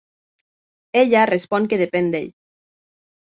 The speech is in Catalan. Ella respon que depèn d'ell.